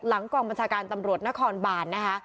กองบัญชาการตำรวจนครบานนะคะ